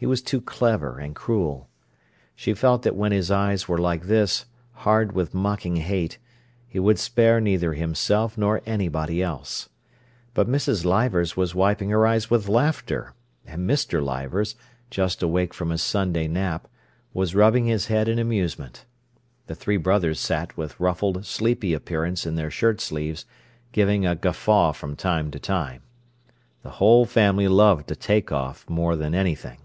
He was too clever and cruel. She felt that when his eyes were like this, hard with mocking hate, he would spare neither himself nor anybody else. But Mrs. Leivers was wiping her eyes with laughter, and Mr. Leivers, just awake from his Sunday nap, was rubbing his head in amusement. The three brothers sat with ruffled, sleepy appearance in their shirt sleeves, giving a guffaw from time to time. The whole family loved a "take off" more than anything.